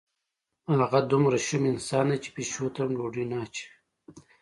هغه دومره شوم انسان دی چې پیشو ته هم ډوډۍ نه اچوي.